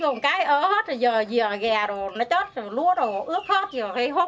chớ hết rồi giờ gà rồi nó chết rồi lúa rồi ướp hết rồi hay hốt đem vô một cái rồi hay rửa bùng rửa rồi nhà chơi